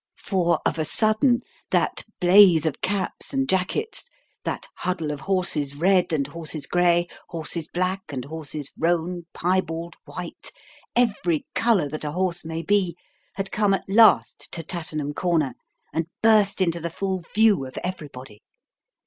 For, of a sudden, that blaze of caps and jackets, that huddle of horses red and horses grey, horses black and horses roan, piebald, white every colour that a horse may be had come at last to Tattenham Corner and burst into the full view of everybody.